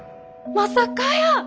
まさかやー！